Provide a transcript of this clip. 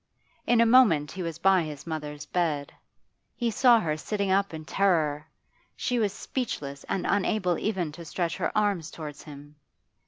In a moment he was by his mother's bed; he saw her sitting up in terror; she was speechless and unable even to stretch her arms towards him.